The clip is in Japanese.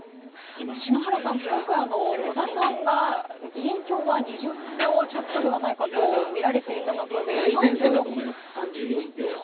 篠原さん、今回、野田さんが議員票は２０票ちょっとではないかとみられていた中で大善戦だと思います、３４票。